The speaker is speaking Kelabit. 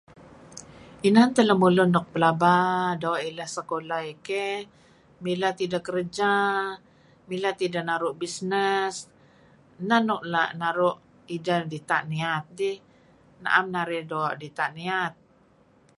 Inan teh lemulun nuk pelaba doo' ileh doo' sekulah, pelaba doo' kerja, mileh tideh naru' business. Ineh nuk naru' ideh pelaba dita' niyat' Na'em narih doo' dita' niyat.